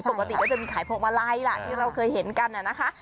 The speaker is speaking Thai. ปกติก็จะมีขายพวงมาลัยล่ะที่เราเคยเห็นกันนะคะ